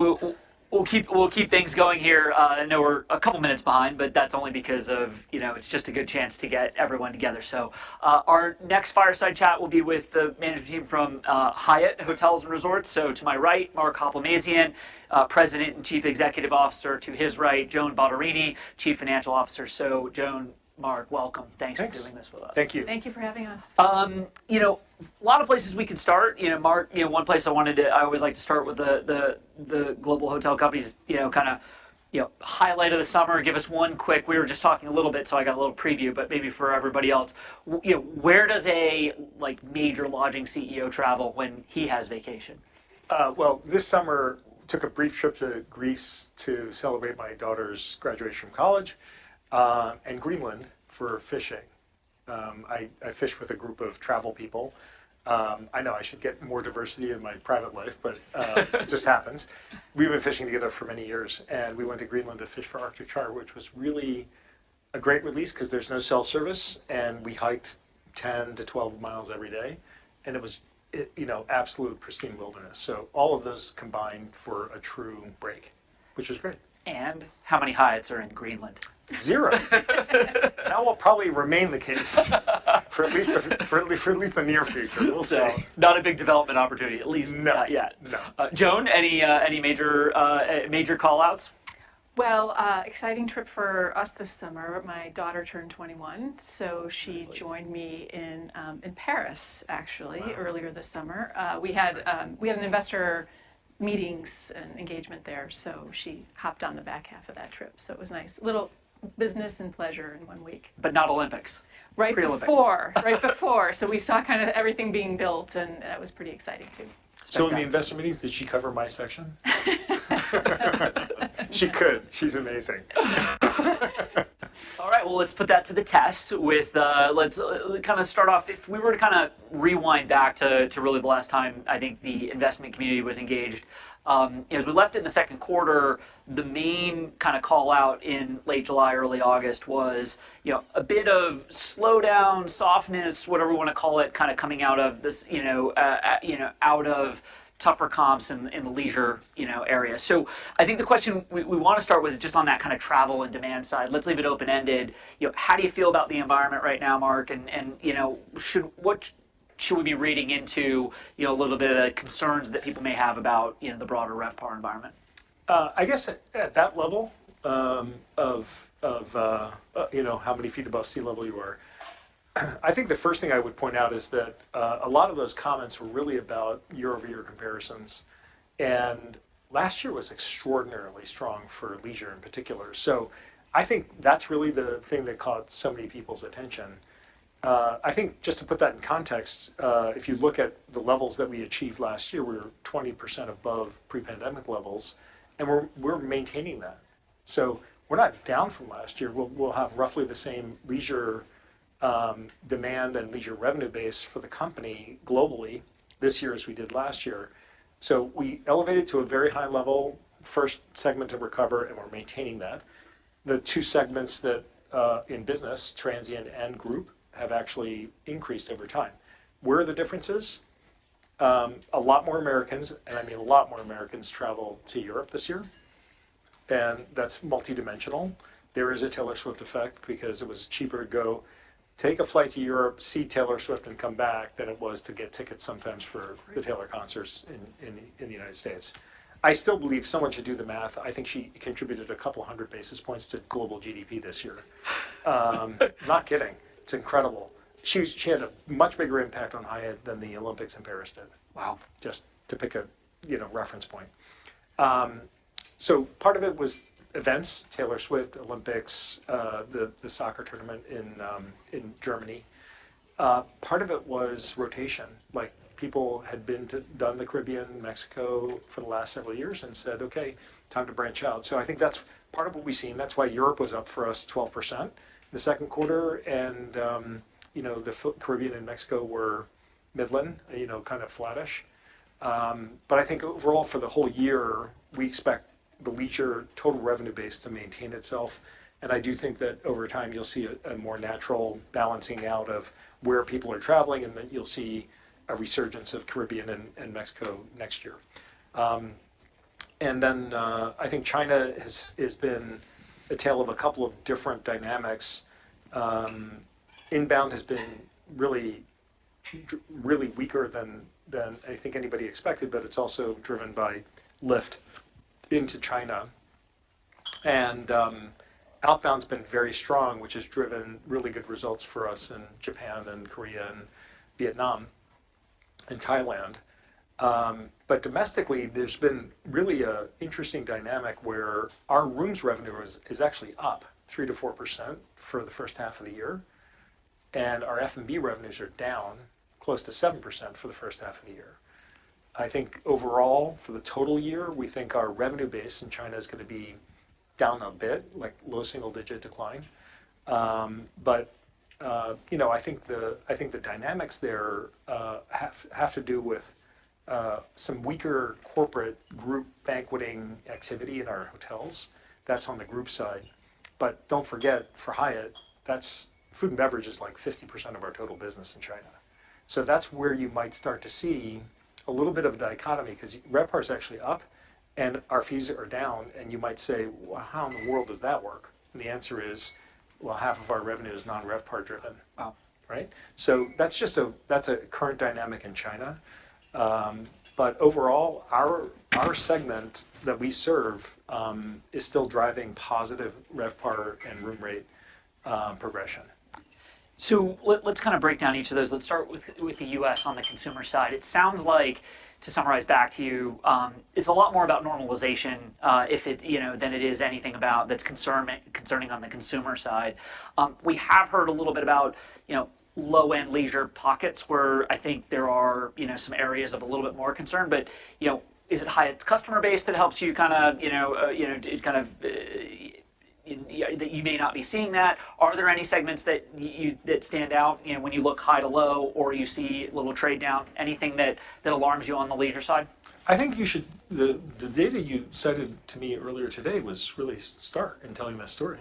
We'll keep things going here. I know we're a couple minutes behind, but that's only because of, you know, it's just a good chance to get everyone together. So, our next fireside chat will be with the management team from Hyatt Hotels and Resorts. So to my right, Mark Hoplamazian, President and Chief Executive Officer, to his right, Joan Bottarini, Chief Financial Officer. So Joan, Mark, welcome. Thanks. Thank you for doing this with us. Thank you. Thank you for having us. You know, a lot of places we could start, you know, Mark, you know, one place I wanted to- I always like to start with the global hotel company's, you know, kind of, you know, highlight of the summer. Give us one quick... We were just talking a little bit, so I got a little preview, but maybe for everybody else, you know, where does, like, a major lodging CEO travel when he has vacation? Well, this summer took a brief trip to Greece to celebrate my daughter's graduation from college, and Greenland for fishing. I fish with a group of travel people. I know I should get more diversity in my private life, but it just happens. We've been fishing together for many years, and we went to Greenland to fish for Arctic char, which was really a great release, 'cause there's no cell service, and we hiked 10-12 miles every day, and it was, you know, absolute pristine wilderness. So all of those combined for a true break, which was great. How many Hyatts are in Greenland? Zero. That will probably remain the case for at least the near future. We'll see. Not a big development opportunity, at least- No... not yet. No. Joan, any major call-outs? Exciting trip for us this summer. My daughter turned 21, so she- Lovely... joined me in Paris, actually- Wow... earlier this summer. We had an investor meetings and engagement there, so she hopped on the back half of that trip, so it was nice. Little business and pleasure in one week. But not Olympics. Right- Pre-Olympics... before. Right, but before, so we saw kind of everything being built, and that was pretty exciting, too. So in the investor meetings, did she cover my section? She could. She's amazing. All right, well, let's put that to the test with, let's, kind of start off. If we were to kind of rewind back to, to really the last time I think the investment community was engaged, as we left in the second quarter, the main kind of call-out in late July, early August was, you know, a bit of slowdown, softness, whatever you want to call it, kind of coming out of this, you know, you know, out of tougher comps in, in the leisure, you know, area. So I think the question we, we want to start with, just on that kind of travel and demand side, let's leave it open-ended, you know, how do you feel about the environment right now, Mark? You know, what should we be reading into, you know, a little bit of the concerns that people may have about, you know, the broader RevPAR environment? I guess at that level of you know how many feet above sea level you are, I think the first thing I would point out is that a lot of those comments were really about year-over-year comparisons, and last year was extraordinarily strong for leisure in particular. I think that's really the thing that caught so many people's attention. I think just to put that in context, if you look at the levels that we achieved last year, we're 20% above pre-pandemic levels, and we're maintaining that. We're not down from last year. We'll have roughly the same leisure demand and leisure revenue base for the company globally this year as we did last year. We elevated to a very high level, first segment to recover, and we're maintaining that. The two segments that in business, transient and group, have actually increased over time. Where are the differences? A lot more Americans, and I mean a lot more Americans, traveled to Europe this year, and that's multidimensional. There is a Taylor Swift effect because it was cheaper to go take a flight to Europe, see Taylor Swift, and come back than it was to get tickets sometimes for- Right... the Taylor concerts in the United States. I still believe someone should do the math. I think she contributed a couple of hundred basis points to global GDP this year. Not kidding. It's incredible. She had a much bigger impact on Hyatt than the Olympics in Paris did. Wow... just to pick a, you know, reference point. So part of it was events, Taylor Swift, Olympics, the soccer tournament in Germany. Part of it was rotation. Like, people had been to, done the Caribbean, Mexico for the last several years and said, "Okay, time to branch out." So I think that's part of what we've seen. That's why Europe was up for us 12% the second quarter, and, you know, the Caribbean and Mexico were middling, you know, kind of flattish. But I think overall, for the whole year, we expect the leisure total revenue base to maintain itself, and I do think that over time you'll see a more natural balancing out of where people are traveling, and then you'll see a resurgence of Caribbean and Mexico next year. I think China has been a tale of a couple of different dynamics. Inbound has been really weaker than I think anybody expected, but it's also driven by lift into China. Outbound's been very strong, which has driven really good results for us in Japan, and Korea, and Vietnam, and Thailand. Domestically, there's been really an interesting dynamic where our rooms revenue is actually up 3%-4% for the first half of the year, and our F&B revenues are down close to 7% for the first half of the year. I think overall, for the total year, we think our revenue base in China is gonna be down a bit, like low single-digit decline. But you know, I think the dynamics there have to do with some weaker corporate group banqueting activity in our hotels. That's on the group side. But don't forget, for Hyatt, that's food and beverage is, like, 50% of our total business in China. So that's where you might start to see a little bit of a dichotomy, 'cause RevPAR is actually up, and our fees are down, and you might say, "Well, how in the world does that work?" And the answer is, well, half of our revenue is non-RevPAR driven. Wow. Right? So that's just a current dynamic in China. But overall, our segment that we serve is still driving positive RevPAR and room rate progression. Let's kind of break down each of those. Let's start with the U.S. on the consumer side. It sounds like, to summarize back to you, it's a lot more about normalization than it is anything about that's concerning on the consumer side. We have heard a little bit about, you know, low-end leisure pockets where I think there are, you know, some areas of a little bit more concern, but, you know, is it Hyatt's customer base that helps you kind of, you know, it kind of that you may not be seeing that? Are there any segments that you that stand out, you know, when you look high to low or you see a little trade-down? Anything that alarms you on the leisure side? I think you should... The data you cited to me earlier today was really stark in telling that story.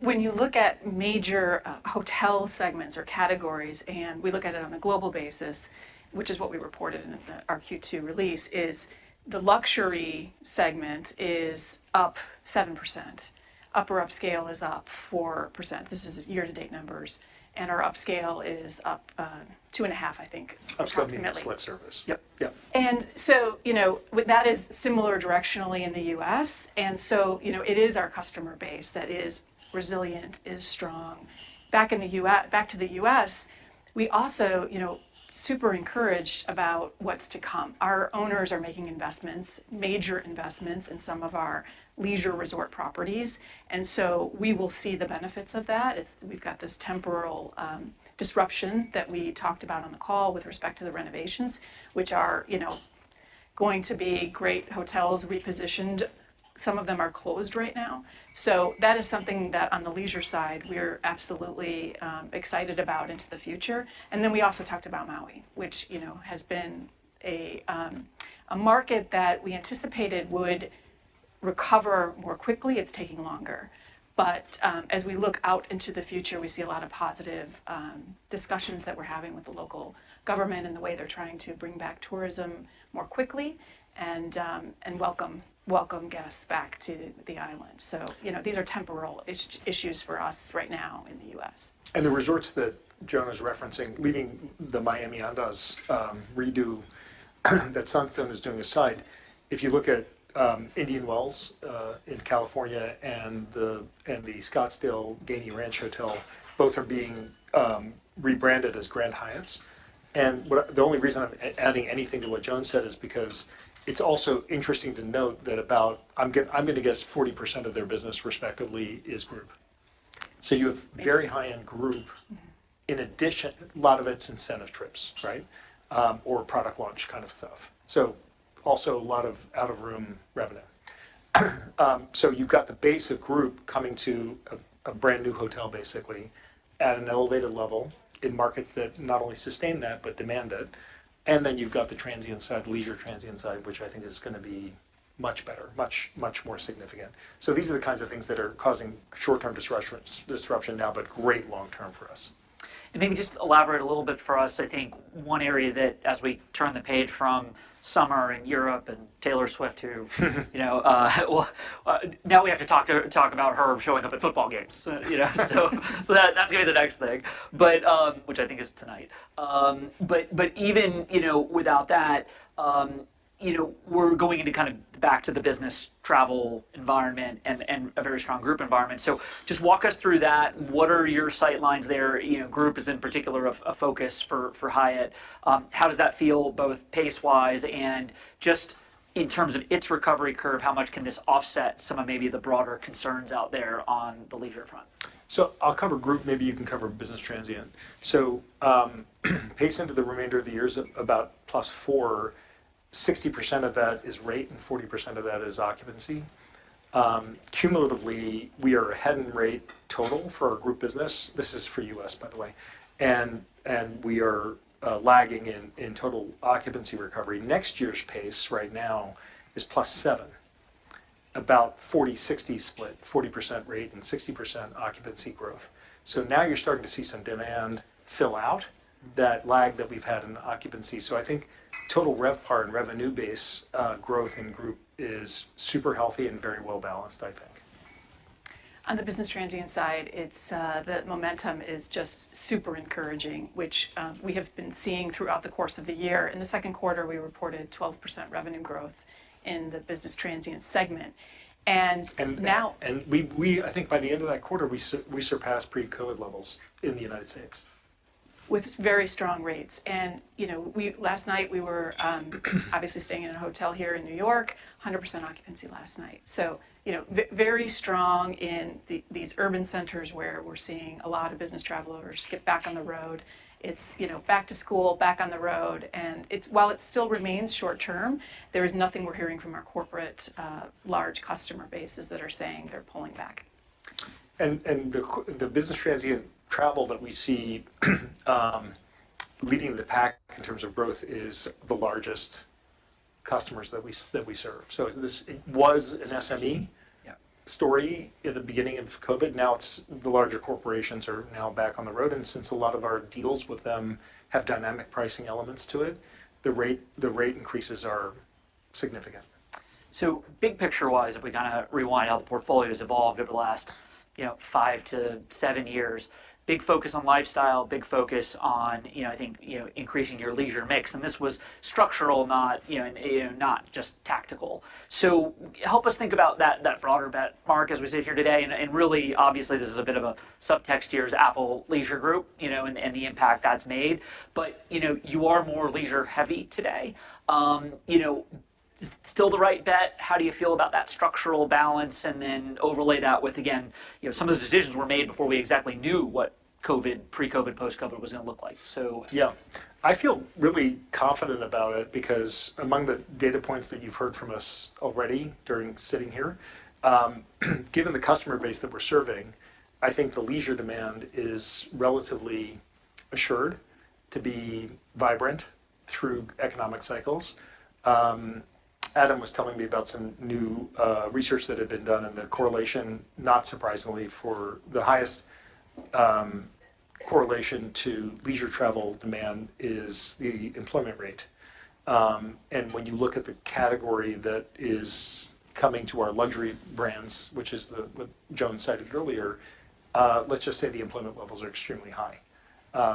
When you look at major hotel segments or categories, and we look at it on a global basis, which is what we reported in our Q2 release, the luxury segment is up 7%, upper upscale is up 4%, this is year-to-date numbers, and our upscale is up two and a half, I think, approximately. Upscale being select service. Yep. Yep. And so, you know, that is similar directionally in the U.S., and so, you know, it is our customer base that is resilient, is strong. Back in the U.S., back to the U.S., we also, you know, super encouraged about what's to come. Our owners are making investments, major investments in some of our leisure resort properties, and so we will see the benefits of that. It's. We've got this temporal disruption that we talked about on the call with respect to the renovations, which are, you know, going to be great hotels repositioned. Some of them are closed right now. So that is something that, on the leisure side, we're absolutely excited about into the future. And then we also talked about Maui, which, you know, has been a market that we anticipated would recover more quickly. It's taking longer, but as we look out into the future, we see a lot of positive discussions that we're having with the local government and the way they're trying to bring back tourism more quickly and welcome guests back to the island. So, you know, these are temporary issues for us right now in the U.S. And the resorts that Joan is referencing, leading the Miami Andaz, redo, that Sunstone is doing aside, if you look at, Indian Wells, in California and the, and the Scottsdale Gainey Ranch Hotel, both are being, rebranded as Grand Hyatts. And the only reason I'm adding anything to what Joan said is because it's also interesting to note that about, I'm going to guess 40% of their business respectively is group. So you have- Mm... very high-end group. Mm-hmm. In addition, a lot of it's incentive trips, right? Sure. Or product launch kind of stuff. So also a lot of out-of-room revenue. So you've got the base of group coming to a brand-new hotel, basically, at an elevated level in markets that not only sustain that but demand it, and then you've got the transient side, leisure transient side, which I think is gonna be much better, much, much more significant. So these are the kinds of things that are causing short-term disruption now, but great long term for us. And maybe just elaborate a little bit for us. I think one area that, as we turn the page from summer and Europe and Taylor Swift, you know, now we have to talk about her showing up at football games, you know? So, that's gonna be the next thing, but which I think is tonight. But even, you know, without that, you know, we're going into kind of back to the business travel environment and a very strong group environment, so just walk us through that. What are your sight lines there? You know, group is in particular a focus for Hyatt. How does that feel both pace-wise and just in terms of its recovery curve, how much can this offset some of maybe the broader concerns out there on the leisure front? I'll cover group, maybe you can cover business transient. Pace into the remainder of the year is about plus four, 60% of that is rate, and 40% of that is occupancy. Cumulatively, we are ahead in rate total for our group business, this is for U.S., by the way, and we are lagging in total occupancy recovery. Next year's pace right now is plus seven, about 40, 60 split, 40% rate and 60% occupancy growth. Now you're starting to see some demand fill out that lag that we've had in occupancy. I think total RevPAR and revenue base growth in the group is super healthy and very well-balanced, I think. On the business transient side, it's the momentum is just super encouraging, which we have been seeing throughout the course of the year. In the second quarter, we reported 12% revenue growth in the business transient segment. And- And- Now- I think by the end of that quarter, we surpassed pre-COVID levels in the United States. With very strong rates, and you know, last night we were obviously staying in a hotel here in New York, 100% occupancy last night. So, you know, very strong in these urban centers where we're seeing a lot of business travelers get back on the road. It's, you know, back to school, back on the road, and while it still remains short term, there is nothing we're hearing from our corporate large customer bases that are saying they're pulling back. The business transient travel that we see leading the pack in terms of growth is the largest customers that we serve. This, it was an SME- Yeah ..story at the beginning of COVID. Now, it's the larger corporations are now back on the road, and since a lot of our deals with them have dynamic pricing elements to it, the rate, the rate increases are significant. So big picture-wise, if we kind of rewind how the portfolio's evolved over the last, you know, five to seven years, big focus on lifestyle, big focus on, you know, I think, you know, increasing your leisure mix, and this was structural, not, you know, not just tactical. So help us think about that, that broader bet, Mark, as we sit here today, and, and really, obviously, this is a bit of a subtext here is Apple Leisure Group, you know, and, and the impact that's made. But, you know, you are more leisure-heavy today. Still the right bet? How do you feel about that structural balance? And then overlay that with, again, you know, some of the decisions were made before we exactly knew what COVID, pre-COVID, post-COVID was gonna look like, so. Yeah. I feel really confident about it because among the data points that you've heard from us already during sitting here, given the customer base that we're serving, I think the leisure demand is relatively assured to be vibrant through economic cycles. Adam was telling me about some new research that had been done, and the correlation, not surprisingly, for the highest correlation to leisure travel demand is the employment rate. And when you look at the category that is coming to our luxury brands, which is the- what Joan cited earlier, let's just say the employment levels are extremely high.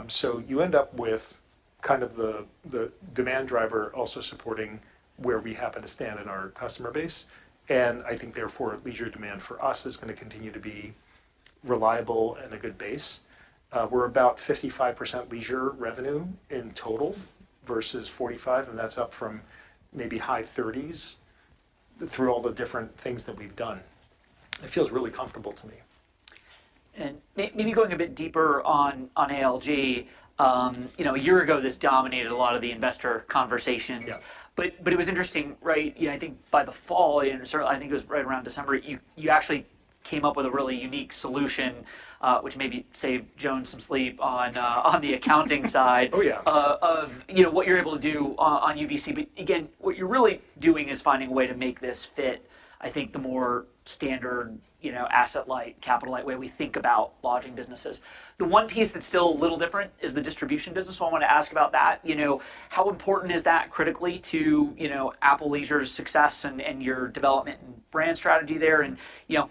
So you end up with kind of the demand driver also supporting where we happen to stand in our customer base, and I think therefore, leisure demand for us is gonna continue to be reliable and a good base. We're about 55% leisure revenue in total versus 45%, and that's up from maybe high 30s% through all the different things that we've done. It feels really comfortable to me. Maybe going a bit deeper on ALG, you know, a year ago, this dominated a lot of the investor conversations. Yeah. But it was interesting, right, you know, I think by the fall, and certainly, I think it was right around December, you actually came up with a really unique solution, which maybe saved Joan some sleep on the accounting side- Oh, yeah... of, you know, what you're able to do on UVC. But again, what you're really doing is finding a way to make this fit, I think the more standard, you know, asset-light, capital-light way we think about lodging businesses. The one piece that's still a little different is the distribution business, so I want to ask about that. You know, how important is that critically to, you know, Apple Leisure's success, and, and your development and brand strategy there, and, you know,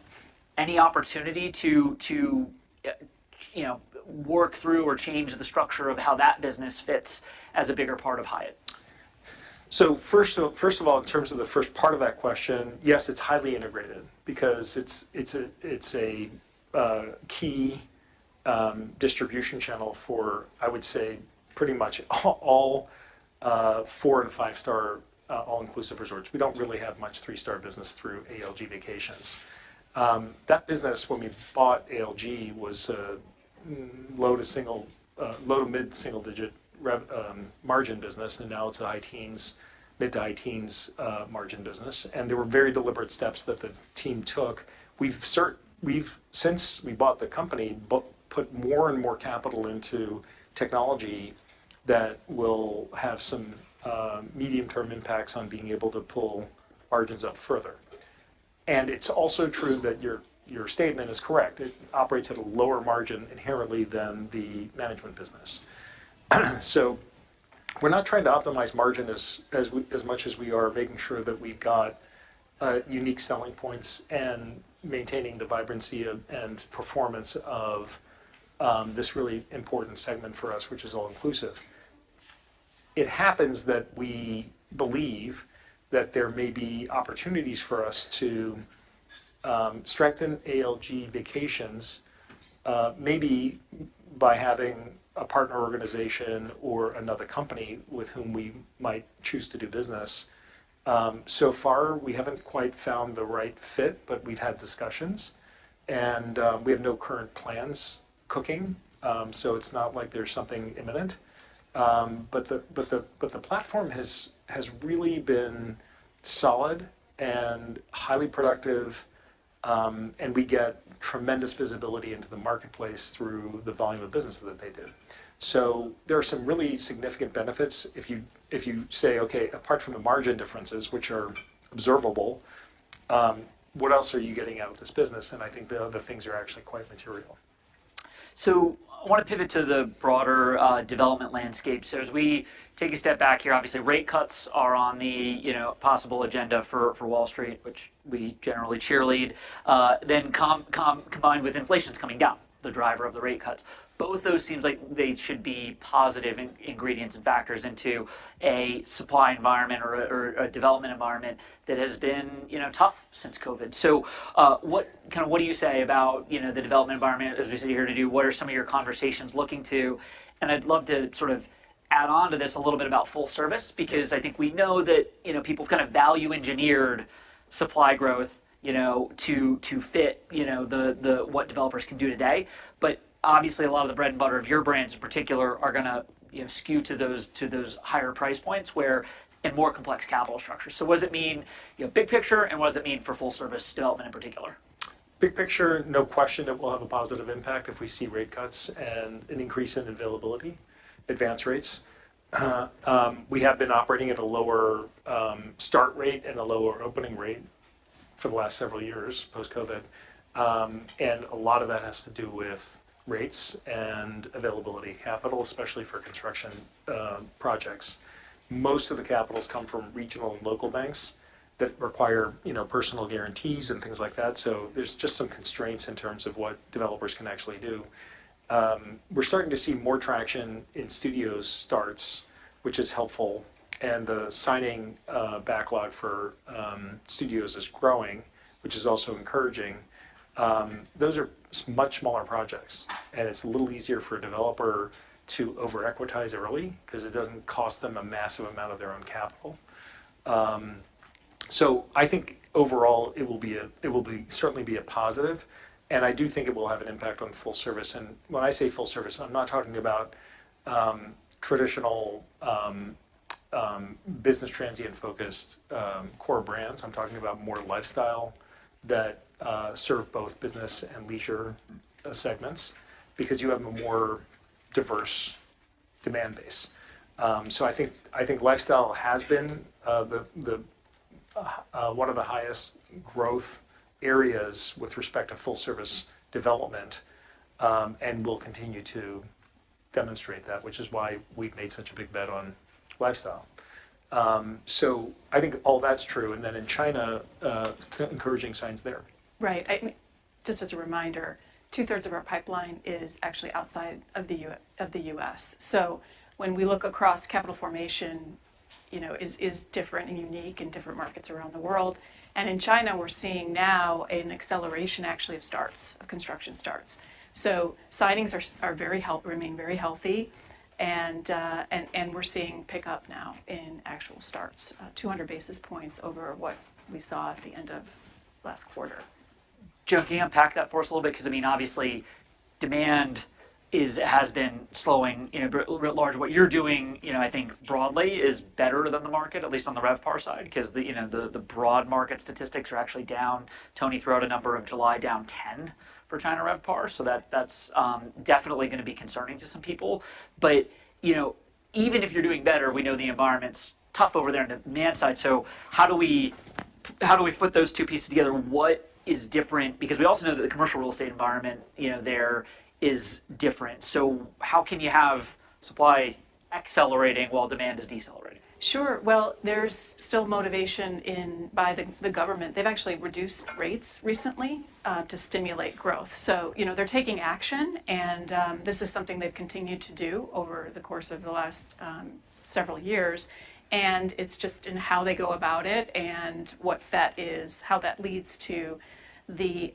any opportunity to, to, you know, work through or change the structure of how that business fits as a bigger part of Hyatt? First of all, in terms of the first part of that question, yes, it's highly integrated because it's a key distribution channel for I would say pretty much all four- and five-star all-inclusive resorts. We don't really have much three-star business through ALG Vacations. That business, when we bought ALG, was a low- to mid-single-digit RevPAR margin business, and now it's a high-teens, mid- to high-teens margin business, and there were very deliberate steps that the team took. We've, since we bought the company, put more and more capital into technology that will have some medium-term impacts on being able to pull margins up further. And it's also true that your, your statement is correct. It operates at a lower margin inherently than the management business. So we're not trying to optimize margin as much as we are making sure that we've got unique selling points and maintaining the vibrancy of and performance of this really important segment for us, which is all-inclusive. It happens that we believe that there may be opportunities for us to strengthen ALG Vacations, maybe by having a partner organization or another company with whom we might choose to do business. So far, we haven't quite found the right fit, but we've had discussions, and we have no current plans cooking. So it's not like there's something imminent. But the platform has really been solid and highly productive, and we get tremendous visibility into the marketplace through the volume of business that they do. So there are some really significant benefits if you, if you say, "Okay, apart from the margin differences, which are observable, what else are you getting out of this business?" And I think the other things are actually quite material. I want to pivot to the broader development landscape. As we take a step back here, obviously rate cuts are on the, you know, possible agenda for Wall Street, which we generally cheerlead. Then combined with inflation's coming down, the driver of the rate cuts. Both those seems like they should be positive ingredients and factors into a supply environment or a development environment that has been, you know, tough since COVID. What kind of what do you say about, you know, the development environment as we sit here today? What are some of your conversations looking to? And I'd love to sort of add on to this a little bit about full service, because I think we know that, you know, people have kind of value-engineered supply growth, you know, to fit what developers can do today. But obviously, a lot of the bread and butter of your brands in particular are gonna, you know, skew to those higher price points where... and more complex capital structures. So what does it mean, you know, big picture, and what does it mean for full service development in particular?... Big picture, no question that we'll have a positive impact if we see rate cuts and an increase in availability, advance rates. We have been operating at a lower start rate and a lower opening rate for the last several years, post-COVID, and a lot of that has to do with rates and availability, capital, especially for construction projects. Most of the capitals come from regional and local banks that require, you know, personal guarantees and things like that. So there's just some constraints in terms of what developers can actually do. We're starting to see more traction in Studios starts, which is helpful, and the signing backlog for Studios is growing, which is also encouraging. Those are so much smaller projects, and it's a little easier for a developer to over-equitize early 'cause it doesn't cost them a massive amount of their own capital. So I think overall, it will be certainly a positive, and I do think it will have an impact on full service, and when I say full service, I'm not talking about traditional business transient-focused core brands. I'm talking about more lifestyle that serve both business and leisure segments, because you have a more diverse demand base. So I think lifestyle has been the one of the highest growth areas with respect to full service development, and will continue to demonstrate that, which is why we've made such a big bet on lifestyle. I think all that's true, and then in China, encouraging signs there. Right. Just as a reminder, two-thirds of our pipeline is actually outside of the U.S. So when we look across capital formation, you know, is different and unique in different markets around the world. And in China, we're seeing now an acceleration actually of starts, of construction starts. So signings are very healthy, remain very healthy, and we're seeing pick-up now in actual starts, two hundred basis points over what we saw at the end of last quarter. Jo, can you unpack that for us a little bit? 'Cause I mean, obviously, demand has been slowing. You know, writ large, what you're doing, you know, I think broadly is better than the market, at least on the RevPAR side, 'cause the, you know, the broad market statistics are actually down. Tony threw out a number of July down 10% for China RevPAR, so that's definitely gonna be concerning to some people. But, you know, even if you're doing better, we know the environment's tough over there on the demand side. So how do we, how do we put those two pieces together? What is different? Because we also know that the commercial real estate environment, you know, there is different. So how can you have supply accelerating while demand is decelerating? Sure. Well, there's still motivation by the government. They've actually reduced rates recently to stimulate growth. So, you know, they're taking action, and this is something they've continued to do over the course of the last several years, and it's just in how they go about it and what that is, how that leads to the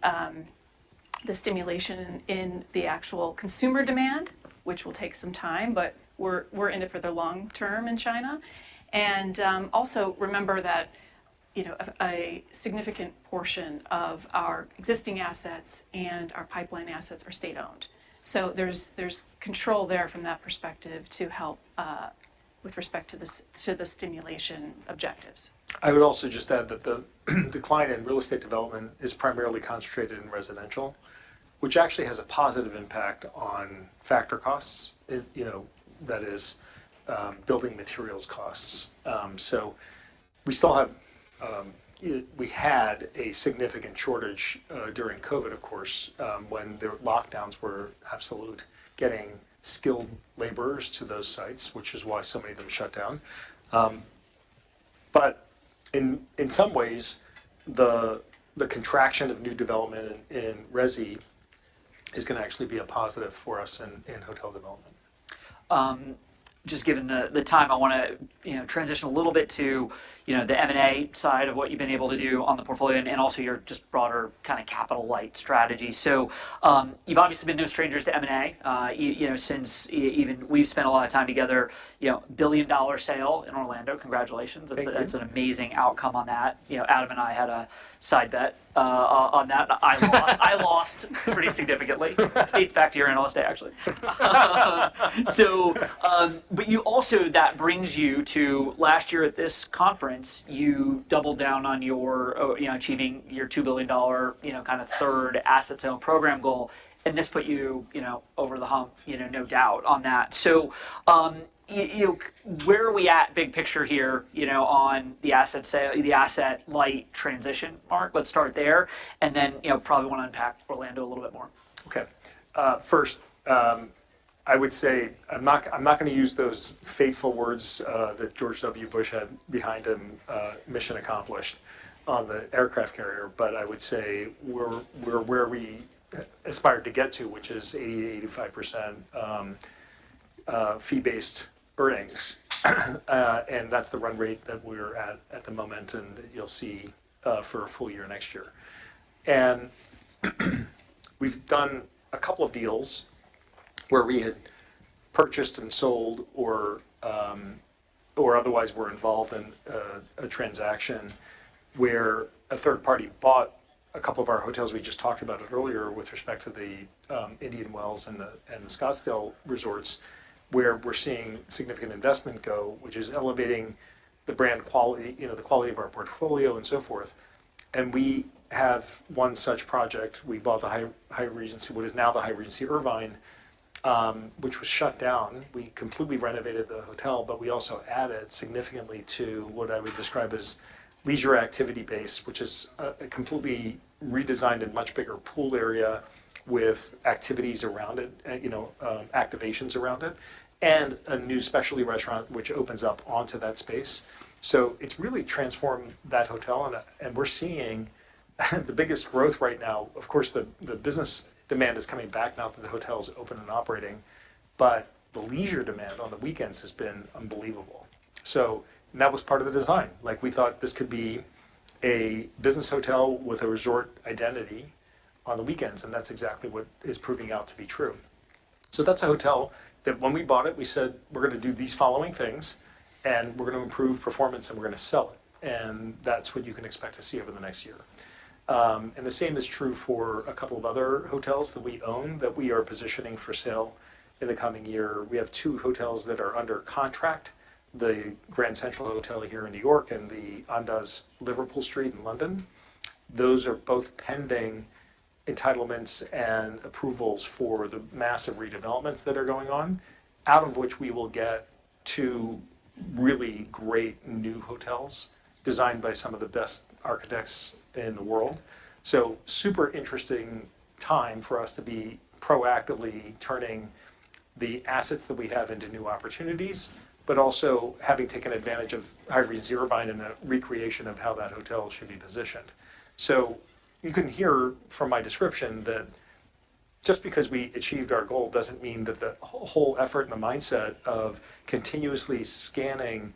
stimulation in the actual consumer demand, which will take some time, but we're in it for the long term in China. And also remember that, you know, a significant portion of our existing assets and our pipeline assets are state-owned. So there's control there from that perspective to help with respect to the stimulation objectives. I would also just add that the decline in real estate development is primarily concentrated in residential, which actually has a positive impact on factor costs. It, you know, that is, building materials costs. So we still have... We had a significant shortage, during COVID, of course, when the lockdowns were absolute, getting skilled laborers to those sites, which is why so many of them shut down. But in some ways, the contraction of new development in resi is gonna actually be a positive for us in hotel development. Just given the time, I wanna, you know, transition a little bit to, you know, the M&A side of what you've been able to do on the portfolio and also your just broader kind of capital-light strategy. So, you've obviously been no strangers to M&A, you know, since even we've spent a lot of time together, you know, $1 billion sale in Orlando. Congratulations. Thank you. That's, that's an amazing outcome on that. You know, Adam and I had a side bet on that, and I lost... I lost pretty significantly. It's back to you on Tuesday, actually. So, but you also, that brings you to last year at this conference, you doubled down on your, you know, achieving your $2 billion, you know, kind of third asset sale program goal, and this put you, you know, over the hump, you know, no doubt on that. So, you where are we at big picture here, you know, on the asset sale, the asset-light transition, Mark? Let's start there, and then, you know, probably want to unpack Orlando a little bit more. Okay. First, I would say I'm not, I'm not gonna use those fateful words that George W. Bush had behind him, "Mission Accomplished," on the aircraft carrier, but I would say we're, we're where we aspired to get to, which is 80%-85% fee-based earnings, and that's the run rate that we're at at the moment, and you'll see for a full year next year, and we've done a couple of deals where we had purchased and sold or otherwise were involved in a transaction, where a third party bought a couple of our hotels. We just talked about it earlier with respect to the Indian Wells and the Scottsdale resorts, where we're seeing significant investment go, which is elevating the brand quality, you know, the quality of our portfolio and so forth. And we have one such project. We bought the Hyatt Regency, what is now the Hyatt Regency Irvine, which was shut down. We completely renovated the hotel, but we also added significantly to what I would describe as leisure activity base, which is a completely redesigned and much bigger pool area with activities around it, and, you know, activations around it, and a new specialty restaurant, which opens up onto that space. So it's really transformed that hotel, and we're seeing the biggest growth right now. Of course, the business demand is coming back now that the hotel is open and operating, but the leisure demand on the weekends has been unbelievable. So and that was part of the design. Like, we thought this could be a business hotel with a resort identity on the weekends, and that's exactly what is proving out to be true. So that's a hotel that when we bought it, we said, "We're gonna do these following things, and we're gonna improve performance, and we're gonna sell it," and that's what you can expect to see over the next year, and the same is true for a couple of other hotels that we own, that we are positioning for sale in the coming year. We have two hotels that are under contract, the Grand Central Hotel here in New York, and the Andaz Liverpool Street in London. Those are both pending entitlements and approvals for the massive redevelopments that are going on, out of which we will get two really great new hotels designed by some of the best architects in the world. Super interesting time for us to be proactively turning the assets that we have into new opportunities, but also having taken advantage of Irvine buying and the recreation of how that hotel should be positioned. You can hear from my description that just because we achieved our goal does not mean that the whole effort and the mindset of continuously scanning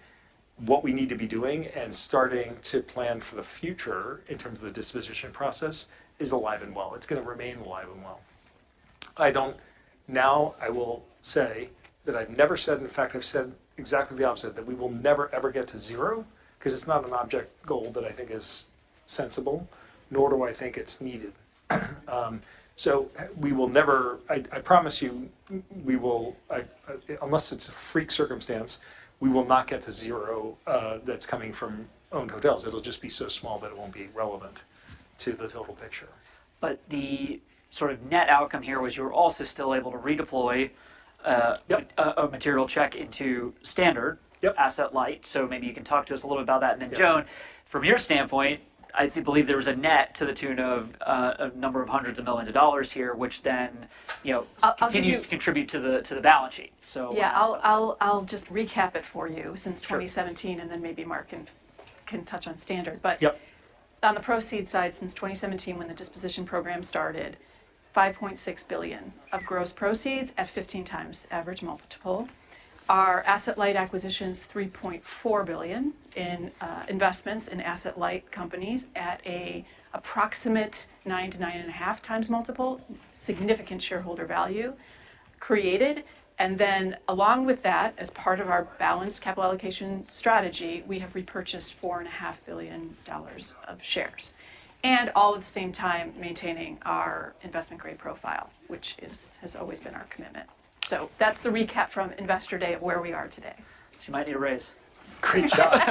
what we need to be doing and starting to plan for the future in terms of the disposition process is alive and well. It is gonna remain alive and well. I do not... Now, I will say that I have never said, in fact, I have said exactly the opposite, that we will never, ever get to zero, 'cause it is not an object goal that I think is sensible, nor do I think it is needed. We will never... I promise you, we will, unless it's a freak circumstance, we will not get to zero, that's coming from owned hotels. It'll just be so small that it won't be relevant to the total picture. But the sort of net outcome here was you were also still able to redeploy. Yep... a material check into Standard- Yep... asset-light, so maybe you can talk to us a little about that. Yep. And then, Joan, from your standpoint, I believe there was a net to the tune of a number of hundreds of millions of dollars here, which then, you know- I'll give you-... continues to contribute to the balance sheet. So- Yeah, I'll just recap it for you since 2017. Sure... and then maybe Mark can touch on Standard. Yep. But on the proceeds side, since 2017, when the disposition program started, $5.6 billion of gross proceeds at 15x average multiple. Our asset-light acquisitions $3.4 billion in investments in asset-light companies at an approximate 9x-9.5x multiple. Significant shareholder value created, and then along with that, as part of our balanced capital allocation strategy, we have repurchased $4.5 billion of shares, and all at the same time, maintaining our investment-grade profile, which is, has always been our commitment. So that's the recap from Investor Day of where we are today. She might need a raise. Great job.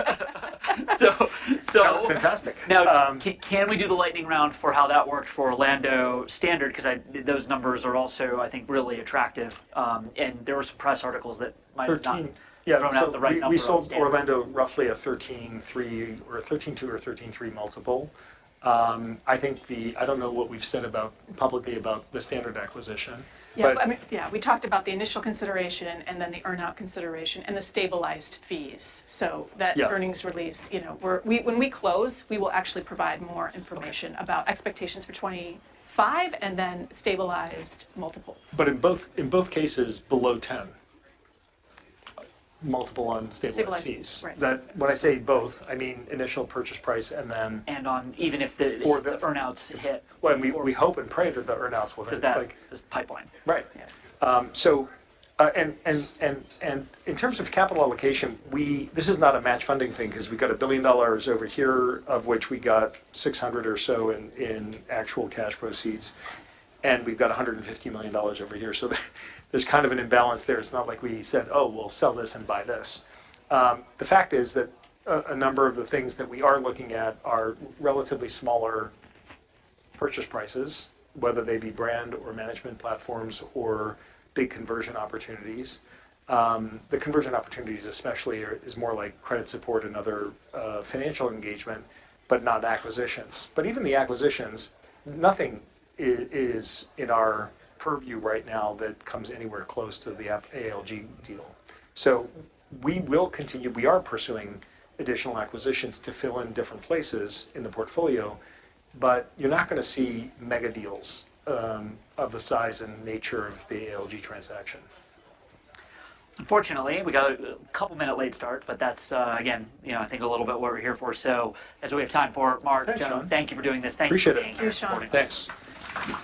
So, so- That was fantastic. Now, can we do the lightning round for how that worked for Orlando Standard? 'Cause those numbers are also, I think, really attractive, and there were some press articles that might have done- 13- Yeah, I don't have the right number on standard. So we sold Orlando roughly a 13.3x or a 13.2x or a 13.3x multiple. I think the... I don't know what we've said publicly about the Standard acquisition, but- I mean, we talked about the initial consideration, and then the earn-out consideration, and the stabilized fees, so- Yep... that earnings release, you know, we, when we close, we will actually provide more information about expectations for 2025, and then stabilized multiples. But in both cases, below 10x multiple, unstable- Stabilized... fees. Right. That when I say both, I mean initial purchase price, and then- And on, even if the- Or the-... earn-outs hit. We hope and pray that the earn-outs will hit, like- 'Cause that is the pipeline. Right. Yeah. In terms of capital allocation, we... This is not a match funding thing, 'cause we've got $1 billion over here, of which we got $600 million or so in actual cash proceeds, and we've got $150 million over here. So there's kind of an imbalance there. It's not like we said, "Oh, we'll sell this and buy this." The fact is that a number of the things that we are looking at are relatively smaller purchase prices, whether they be brand or management platforms or big conversion opportunities. The conversion opportunities especially, are, is more like credit support and other financial engagement, but not acquisitions. But even the acquisitions, nothing is in our purview right now that comes anywhere close to the ALG deal. We will continue. We are pursuing additional acquisitions to fill in different places in the portfolio, but you're not gonna see mega deals of the size and nature of the ALG transaction. Unfortunately, we got a couple-minute late start, but that's, again, you know, I think a little bit what we're here for. So as we have time for Mark, Joan- Thanks, John. Thank you for doing this. Thank you. Appreciate it. Thank you, John. Thanks.